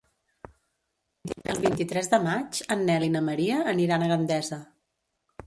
El vint-i-tres de maig en Nel i na Maria aniran a Gandesa.